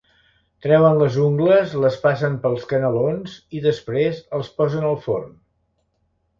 Treuen les ungles, les passen pels canalons i després els posen al forn.